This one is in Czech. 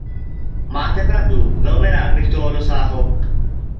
Máte pravdu, velmi rád bych toho dosáhl.